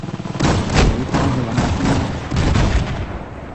你返去搵下先啦